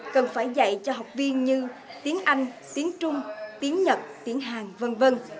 cần phải dạy cho học viên như tiếng anh tiếng trung tiếng nhật tiếng hàn v v